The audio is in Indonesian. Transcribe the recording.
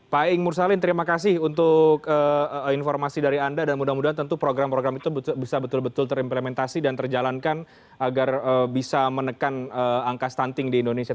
pak ing mursalin terima kasih untuk informasi dari anda dan mudah mudahan tentu program program itu bisa betul betul terimplementasi dan terjalankan agar bisa menekan angka stunting di indonesia